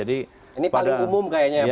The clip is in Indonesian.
ini paling umum kayaknya ya pak ya